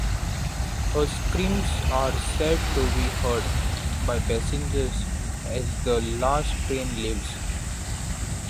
Her screams are said to be heard, by passengers, as the last train leaves.